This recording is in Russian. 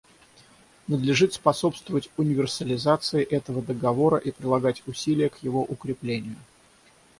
Надлежит способствовать универсализации этого Договора и прилагать усилия к его укреплению.